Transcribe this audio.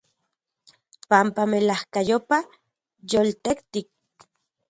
Panpa melajkayopa yoltetik.